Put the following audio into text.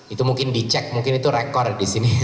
itu mungkin dicek mungkin itu rekor disiplin